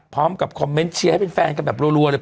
พร้อมกับคอมเม้นต์ให้เป็นแฟนคลับแบบรัวรัวเลย